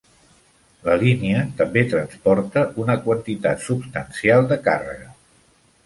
La línia també transporta una quantitat substancial de càrrega.